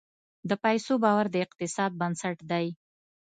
د پیسو باور د اقتصاد بنسټ دی.